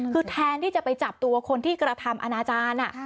คือแทนที่จะไปจับตัวคนที่กระทำอนาจารย์